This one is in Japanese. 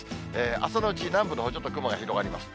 朝のうち、南部のほう、ちょっと雲が広がります。